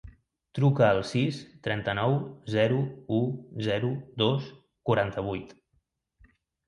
Truca al sis, trenta-nou, zero, u, zero, dos, quaranta-vuit.